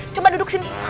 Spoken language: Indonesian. coba duduk sini